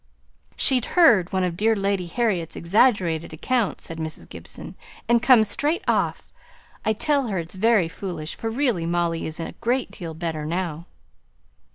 "She's heard one of dear Lady Harriet's exaggerated accounts," said Mrs. Gibson, "and come straight off. I tell her it's very foolish, for Molly is a great deal better now."